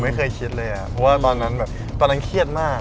ไม่เคยคิดเลยอ่ะเพราะว่าตอนนั้นแบบตอนนั้นเครียดมาก